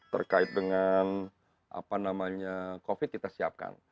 ketua kebutuhan terkait dengan covid kita siapkan